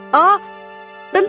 bolehkah aku bermain dengannya